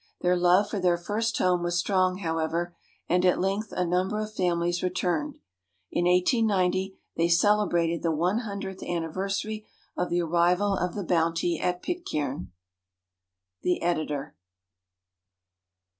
Their love for their first home was strong, however, and at length a nimiber of famiUes returned. In 1890 they celebrated the one hundredth anniversary of the arrival of the Bounty at Pitcairn. The Editor.